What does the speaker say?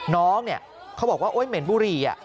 น้องเนี่ยเขาบอกว่าโอ๊ยเหม็นบุหรี่